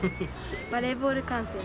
バレーボール観戦。